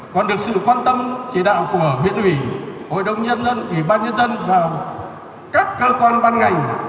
còn được sự quan tâm chỉ đạo của huyện ủy hội đồng nhân dân ủy ban nhân dân và các cơ quan ban ngành